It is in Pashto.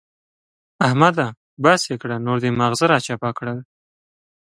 احمده! بس يې کړه نور دې ماغزه را چپه کړل.